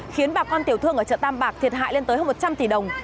khiến bà con tiểu thương ở chợ tam bạc thiệt hại lên tới hơn một trăm linh tỷ đồng